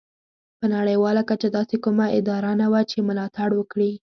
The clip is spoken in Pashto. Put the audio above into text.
په نړیواله کچه داسې کومه اداره نه وه چې ملاتړ وکړي.